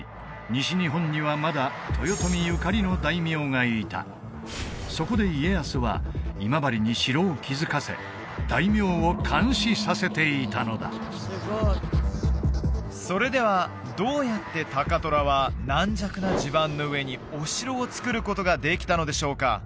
西日本にはまだ豊臣ゆかりの大名がいたそこで家康は今治に城を築かせ大名を監視させていたのだそれではどうやって高虎は軟弱な地盤の上にお城を造ることができたのでしょうか？